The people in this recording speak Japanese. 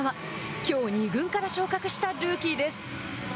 きょう２軍から昇格したルーキーです。